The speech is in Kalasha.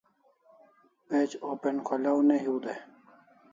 Page open/ kholaw ne hiu dai